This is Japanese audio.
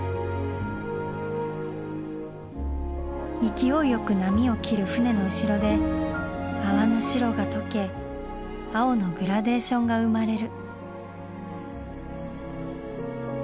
勢いよく波を切る船の後ろで泡の白が溶け青のグラデーションが生まれる。